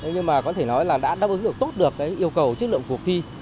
nhưng mà có thể nói là đã đáp ứng được tốt được cái yêu cầu chất lượng cuộc thi